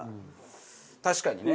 確かにね。